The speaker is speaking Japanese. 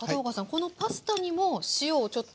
このパスタにも塩をちょっと。